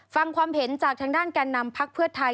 ฟังความเห็นจากทางด้านแก่นนำพักเพื่อไทย